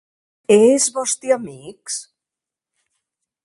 E es vòsti amics?